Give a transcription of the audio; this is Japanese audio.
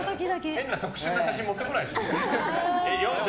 変な特殊な写真持ってこないでしょ。